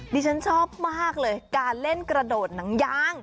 ดิฉันชอบมากเลยการเล่นกระโดดหนังยาง